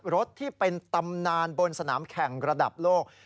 รถที่เป็นตำนานบนสนามแข่งระดับโลก